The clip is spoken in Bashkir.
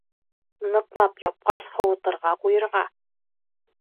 Ныҡлап япҡас, һыуытырға ҡуйырға.